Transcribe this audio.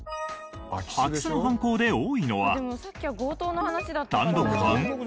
空き巣の犯行で多いのは単独犯？